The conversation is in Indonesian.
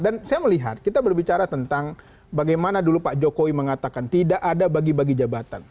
dan saya melihat kita berbicara tentang bagaimana dulu pak jokowi mengatakan tidak ada bagi bagi jabatan